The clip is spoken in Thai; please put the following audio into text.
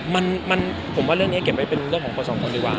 มันผมว่าเรื่องนี้เก็บไว้เป็นเรื่องของคนสองคนดีกว่า